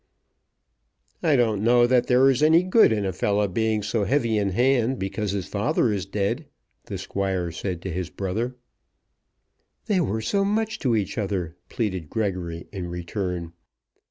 "I don't know that there is any good in a fellow being so heavy in hand because his father is dead," the Squire said to his brother. "They were so much to each other," pleaded Gregory in return.